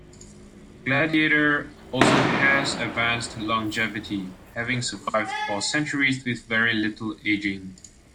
Gladiator also has advanced longevity, having survived for centuries with very little aging.